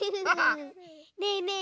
ねえねえ